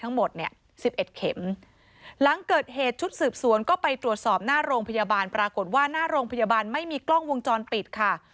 หลังเกิดเหตุชุดสืบสวนก็ไปตรวจสอบหน้าโรงพยาบาลปรากฏว่าหน้าโรงพยาบาลไม่มีกล้องวงจรปิดค่ะ